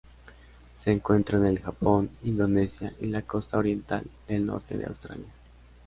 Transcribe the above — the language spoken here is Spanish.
Se encuentra en el Japón, Indonesia y la costa oriental del norte de Australia.